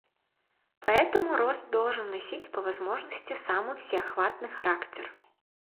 Поэтому рост должен носить по возможности самый всеохватный характер.